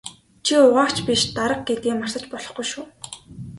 Чи угаагч биш дарга гэдгээ мартаж болохгүй шүү.